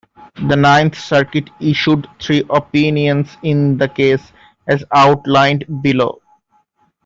The Ninth Circuit issued three opinions in the case, as outlined below.